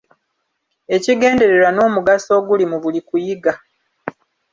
Ekigendererwa n'omugaso oguli mu buli kuyiga.